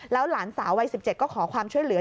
หลานสาววัย๑๗ก็ขอความช่วยเหลือ